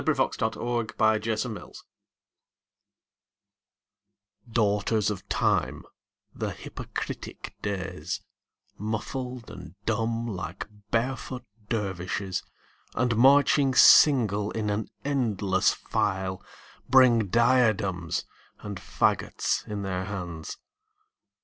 Ralph Waldo Emerson Days DAUGHTERS of Time, the hypocritic Days, Muffled and dumb like barefoot dervishes, And marching single in an endless file, Bring diadems and faggots in their hands.